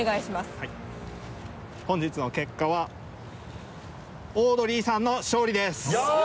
はい本日の結果はオードリーさんの勝利です。